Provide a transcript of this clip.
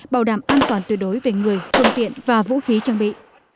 bảo đảm an toàn tuyệt đối về người phương tiện và vũ khí trang bị